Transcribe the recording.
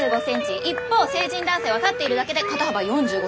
一方成人男性は立っているだけで肩幅４５ｃｍ。